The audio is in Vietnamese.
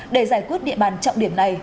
để giải quyết địa bàn trọng điểm này